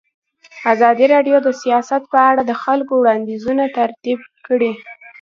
ازادي راډیو د سیاست په اړه د خلکو وړاندیزونه ترتیب کړي.